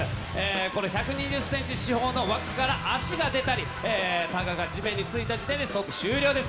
これ、１２０センチ四方の輪から足が出たり、タガが地面についた時点で即終了です。